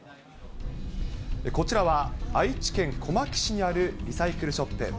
こちらは、愛知県小牧市にあるリサイクルショップ。